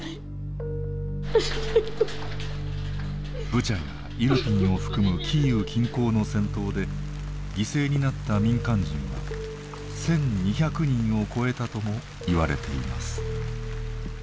ブチャやイルピンを含むキーウ近郊の戦闘で犠牲になった民間人は１，２００人を超えたともいわれています。